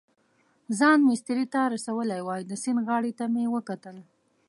ځان مېسترې ته رسولی وای، د سیند غاړې ته مې وکتل.